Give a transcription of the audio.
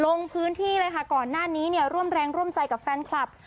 ลงพื้นที่เลยค่ะก่อนหน้านี้เนี่ยร่วมแรงร่วมใจกับแฟนคลับ